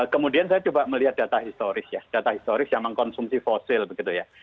kemudian saya coba melihat data historis ya data historis yang mengkonsumsi fosil begitu ya